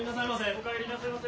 お帰りなさいませ。